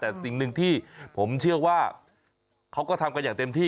แต่สิ่งหนึ่งที่ผมเชื่อว่าเขาก็ทำกันอย่างเต็มที่